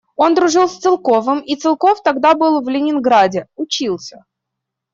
Он дружил с Целковым, и Целков тогда был в Ленинграде, учился.